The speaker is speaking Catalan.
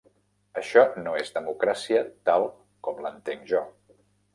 Això no és democràcia tal com l'entenc jo.